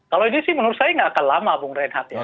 kalau ini sih menurut saya tidak akan lama bung reinhardt ya